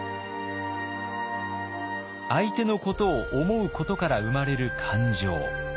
相手のことを思うことから生まれる感情。